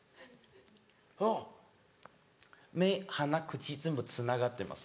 目鼻口全部つながってます。